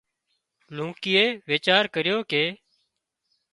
لونڪيئي ويچار ڪريو ڪي